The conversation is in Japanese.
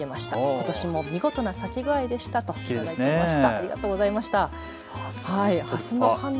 ことしも見事な咲き具合でしたと頂きました。